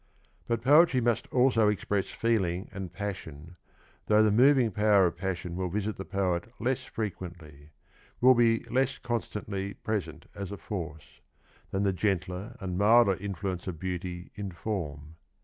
But poetry must also express feeling and passion though the moving power of passion will visit the poet less frequently, will be less constantly present as a force, than the gentler and milder influence of beauty in form.